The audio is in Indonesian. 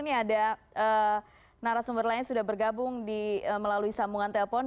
ini ada narasumber lain sudah bergabung melalui sambungan telepon